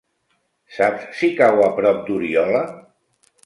Saps si cau a prop d'Oriola?